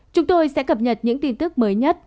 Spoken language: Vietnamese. chúng tôi sẽ cập nhật những tin tức mới nhất